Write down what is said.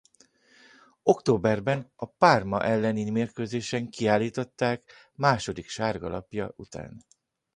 Októberben a Parma elleni mérkőzésen kiállították második sárga lapja után.